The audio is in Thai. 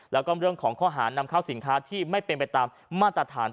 แล้วก็เรื่องของข้อหานำเข้าสินค้าที่ไม่เป็นไปตามมาตรฐาน